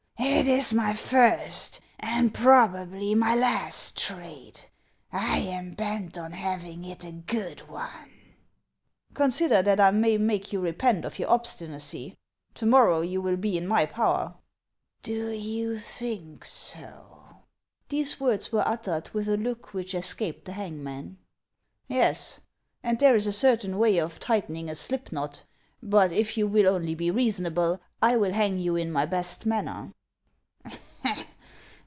"It is my first and probably my last trade ; I am bent on having it a good one." " Consider that I may make you repent of your obsti nacy. To morrow you will be in my power." 504 HANS OF ICELAND. " Do you think so ?" These words were uttered with a look which escaped the hangman. " Yes ; and there is a certain way of tightening a slip knot — but if you will only be reasonable, I will hang you in my best manner."